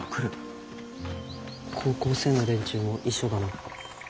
高校生の連中も一緒だな。